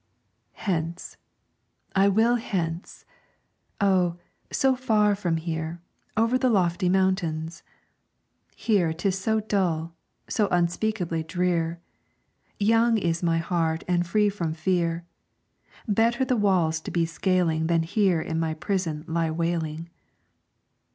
Hence! I will hence! Oh, so far from here, Over the lofty mountains! Here 'tis so dull, so unspeakably drear; Young is my heart and free from fear Better the walls to be scaling Than here in my prison lie wailing.